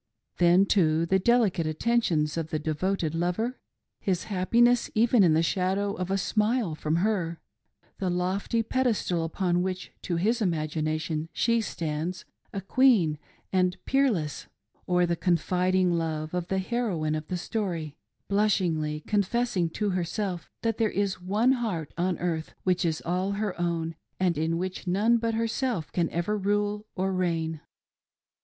' Then, too, the delicate attentions of the devoted lover — his happiness even in the shadow of a smile from her, — the lofty pedestal upon which to his imagination she stan'ds, a queen and peer less ;— or the confiding love of the heroine of the story ^ blushingly confessing to herself that there is one heart on earth which is all her own and in which none but herself can ever rule or reign.